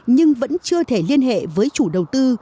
nhưng vẫn chưa thể liên hệ với chủ đầu tư